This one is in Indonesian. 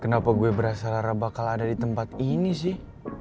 kenapa gue berasa lara bakal ada di tempat ini sih